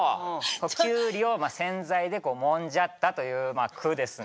胡瓜を洗剤でもんじゃったという句ですね。